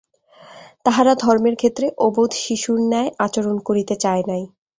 তাহারা ধর্মের ক্ষেত্রে অবোধ শিশুর ন্যায় আচরণ করিতে চায় নাই।